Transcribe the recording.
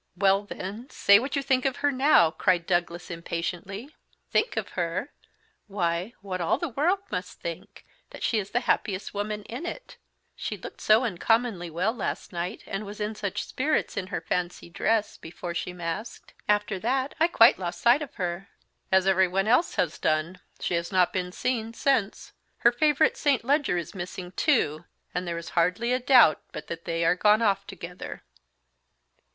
"Well, then, say what you think of her now," cried Douglas impatiently. "Think of her! why, what all the world must think that she is the happiest woman in it. She looked so uncommonly well last night, and was in such spirits, in her fancy dress, before she masked. After that, I quite lost sight of her." "As everyone else has done. She has not been seen since. Her favourite St. Leger is missing too, and there is hardly a doubt but that they are gone off together."